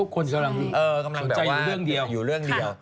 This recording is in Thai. คนสนใจอยู่เรื่องเดียว